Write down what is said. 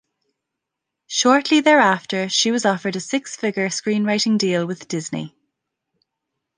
Shortly thereafter, she was offered a six-figure screenwriting deal with Disney.